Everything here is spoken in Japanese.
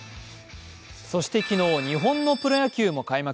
そして昨日、日本のプロ野球も開幕。